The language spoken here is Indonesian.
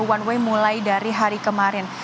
one way mulai dari hari kemarin